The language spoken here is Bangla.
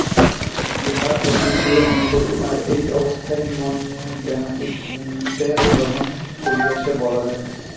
ইহাই অতীন্দ্রিয় অনুভূতি, আর এই অবস্থায় মন জ্ঞানাতীত ভূমিতে আরোহণ করিয়াছে বলা যায়।